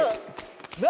何？